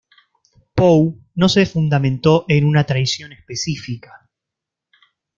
Poe no se fundamentó en una tradición específica.